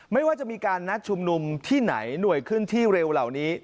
ไม่ว่าจะมีการนัดชุมนุมที่ไหนหน่วยเคลื่อนที่เร็วเหล่านี้